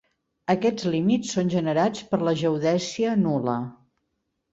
Aquests límits són generats per la geodèsia nul·la.